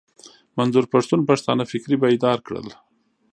منظور پښتون پښتانه فکري بيدار کړل.